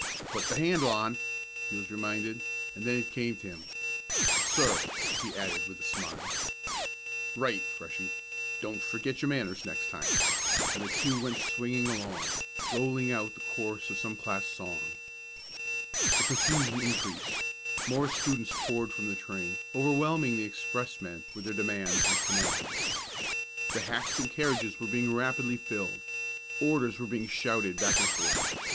"Put the handle on," he was reminded, and then it came to him. "Sir," he added with a smile. "Right, Freshie. Don't forget your manners next time," and the two went swinging along, rolling out the chorus of some class song. The confusion increased. More students poured from the train, overwhelming the expressmen with their demands and commands. The hacks and carriages were being rapidly filled. Orders were being shouted back and forth.